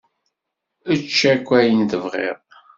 Ečč akk ayen i tebɣiḍ.